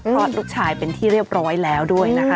คลอดลูกชายเป็นที่เรียบร้อยแล้วด้วยนะคะ